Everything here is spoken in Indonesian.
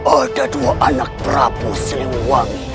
ada dua anak prabu siliwangi